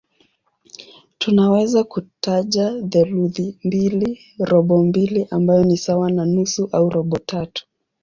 Tunaweza kutaja theluthi mbili, robo mbili ambayo ni sawa na nusu au robo tatu.